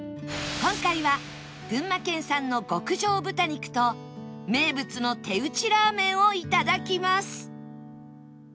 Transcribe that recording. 今回は群馬県産の極上豚肉と名物の手打ちラーメンをいただきます